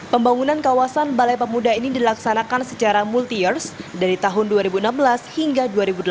pembangunan kawasan balai pemuda ini dilaksanakan secara multi years dari tahun dua ribu enam belas hingga dua ribu delapan belas